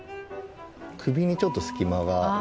首にちょっと隙間が。